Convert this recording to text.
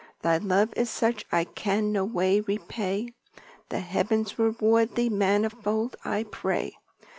Thy love is such I can no way repay, The heavens reward thee, manifold I pray.